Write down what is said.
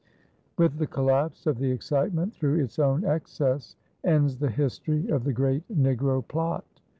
With the collapse of the excitement through its own excess, ends the history of the great negro "plot."